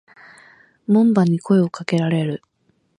門番に声を掛けられる。